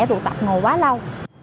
tụ tập ngồi quá lâu